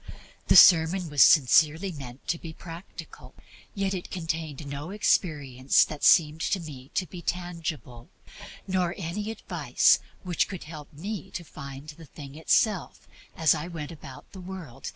The sermon was sincerely meant to be practical, yet it contained no experience that seemed to me to be tangible, nor any advice that I could grasp any advice, that is to say, which could help me to find the thing itself as I went about the world.